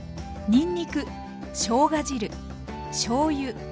にんにくしょうが汁しょうゆ